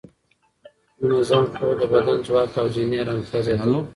منظم خوب د بدن ځواک او ذهني ارامتیا زیاتوي.